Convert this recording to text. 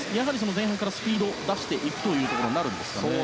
前半からスピードを出していくということになるんですかね。